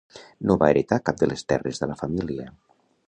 No va heretar cap de les terres de la família.